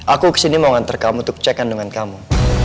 aku kesini mau ngantar kamu untuk cek kandungan kamu